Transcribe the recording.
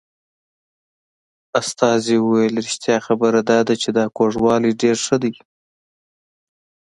استازي وویل رښتیا خبره دا ده چې دا کوږوالی ډېر ښه دی.